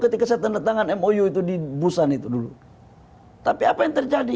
ketika saya tanda tangan mou itu di busan itu dulu tapi apa yang terjadi